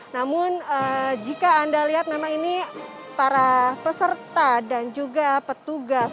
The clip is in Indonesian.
namun jika anda lihat memang ini para peserta dan juga petugas